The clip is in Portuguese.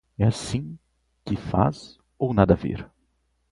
É assim que faz ou nada a ver?